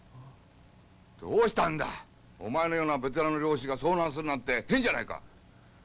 どうしたんだお前のようなベテランの猟師が遭難するなんて変じゃないか。